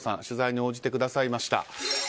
取材に応じてくださいました。